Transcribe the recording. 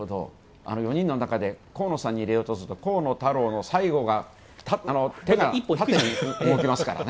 ４人の中で河野さんに入れようとすると「河野太郎」の最後が、手が縦に動きますからね。